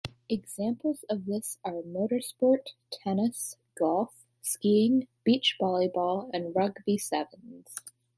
Examples of this are motorsport, tennis, golf, skiing, beach volleyball and rugby sevens.